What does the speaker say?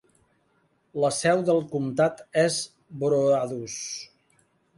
La seu del comtat és Broadus.